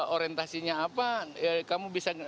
orientasinya apa kamu bisa